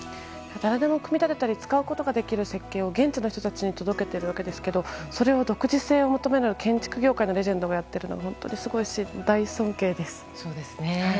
誰でも組み立てたり使うことができる設計は現地の人たちに届けているわけですがそれを独自性を求められる建築業界のレジェンドがやっているのは本当にすごい大尊敬です。